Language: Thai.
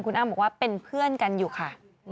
คุณอ้ำบอกว่าเป็นเพื่อนกันอยู่ค่ะ